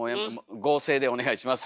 合成でお願いします。